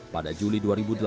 pada juli dua ribu delapan belas